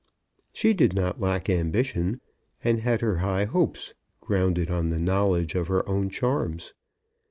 She did not lack ambition, and had her high hopes, grounded on the knowledge of her own charms.